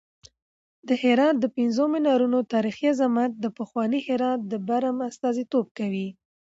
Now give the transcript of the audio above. د هرات د پنځو منارونو تاریخي عظمت د پخواني هرات د برم استازیتوب کوي.